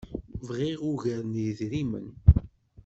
Bɣiɣ ugar n yidrimen.